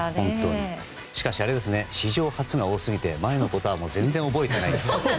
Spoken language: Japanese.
しかし、史上初が多すぎて前のことはもう全然覚えていないと。